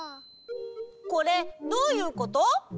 これどういうこと？